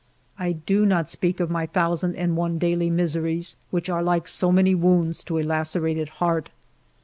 I do not speak of my thousand and one daily miseries, which are like so many wounds to a lacerated heart.